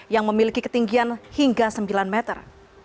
yang memiliki ketinggian hingga sembilan meter